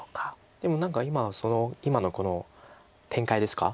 でも何か今今のこの展開ですか。